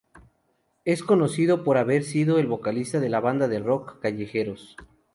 Es conocido por haber sido el vocalista de la banda de rock Callejeros.